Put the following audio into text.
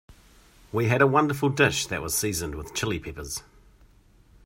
We had a wonderful dish that was seasoned with Chili Peppers.